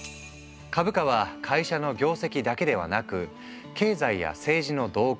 株価は会社の業績だけではなく経済や政治の動向